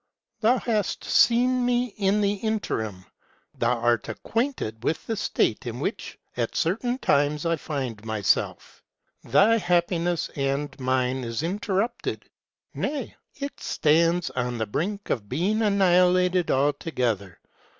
Thou hast seen me in the interim ; thou art acquainted with the state in which, at certain times, I find myself : thy happiness and mine is interrupted, ŌĆö nay, it stands on the brink of being annihilated altogether.